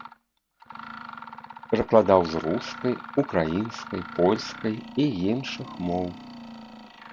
Перакладаў з рускай, украінскай, польскай і іншых моў.